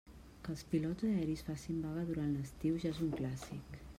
Que els pilots aeris facin vaga durant l'estiu, ja és un clàssic.